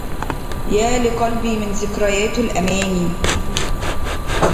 يا لقلبي من ذكريات الأماني